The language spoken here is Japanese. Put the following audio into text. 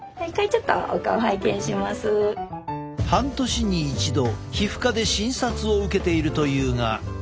ちょっと半年に一度皮膚科で診察を受けているというが。